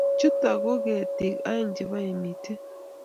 Chuto ko ketik aeng' che bo emitik.